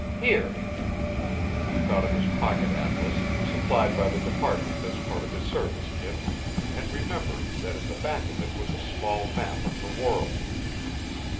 Here " He thought of his pocket atlas, supplied by the department as a part of his service kit, and remembered that in the back of it was a small map of the world.